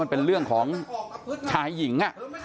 เป็นเรื่องของชายหญิง